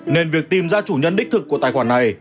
nên việc tìm ra chủ nhân đích thực của tài khoản này